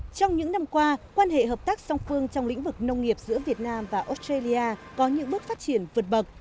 trong những năm qua quan hệ hợp tác song phương trong lĩnh vực nông nghiệp giữa việt nam và australia có những bước phát triển vượt bậc